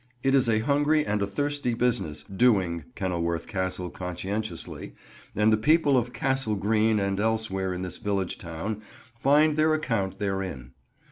It is a hungry and a thirsty business, "doing" Kenilworth Castle conscientiously, and the people of Castle Green and elsewhere in this village town find their account therein.